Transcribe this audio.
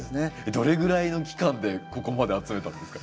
どれぐらいの期間でここまで集めたんですか？